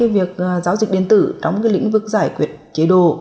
việc giao dịch điện tử trong lĩnh vực giải quyết chế độ